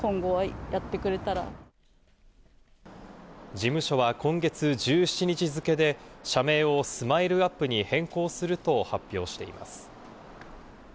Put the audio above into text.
事務所は今月１７日付で社名をＳＭＩＬＥ‐ＵＰ．に変更すると発表しています。